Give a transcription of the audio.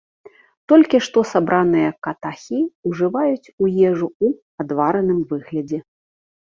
Толькі што сабраныя катахі ўжываюць у ежу ў адвараным выглядзе.